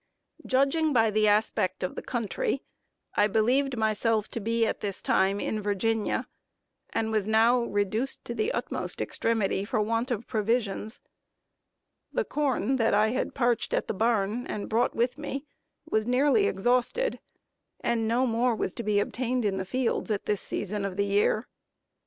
Judging by the aspect of the country, I believed myself to be at this time in Virginia; and was now reduced to the utmost extremity for want of provisions. The corn that I had parched at the barn and brought with me, was nearly exhausted, and no more was to be obtained in the fields at this season of the year.